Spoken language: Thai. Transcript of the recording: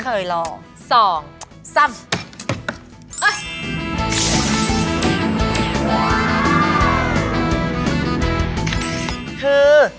คือ